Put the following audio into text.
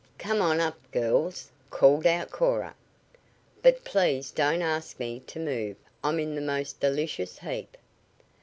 "Come on up, girls," called out Cora. "But please don't ask me to move. I'm in the most delicious heap."